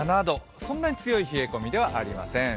そんなに強い冷え込みではありません。